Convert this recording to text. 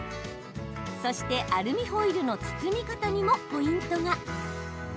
そして、アルミホイルの包み方にもポイントが。